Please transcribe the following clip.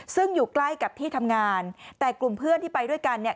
ซึ่งอยู่ใกล้กับที่ทำงานแต่กลุ่มเพื่อนที่ไปด้วยกันเนี่ย